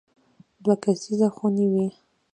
دوه کسیزې خونې وې.